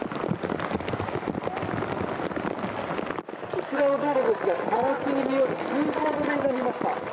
こちらの道路ですが冠水によって通行止めになりました。